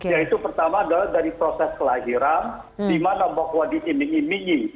yaitu pertama adalah dari proses kelahiran dimana pokoknya diiming imingi